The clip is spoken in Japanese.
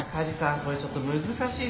これちょっと難しいですよ